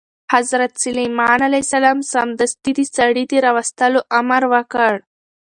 حضرت سلیمان علیه السلام سمدستي د سړي د راوستلو امر وکړ.